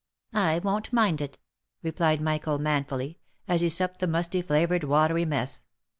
" 1 won't mind it!" replied Michael, manfully, as he supped the musty flavoured watery mess.